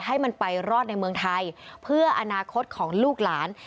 ให้มันไปรอดในเมืองไทยเพื่ออนาคตของลูกหลาน